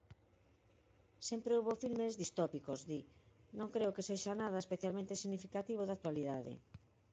"Sempre houbo filmes distópicos", di, "non creo que sexa nada especialmente significativo da actualidade".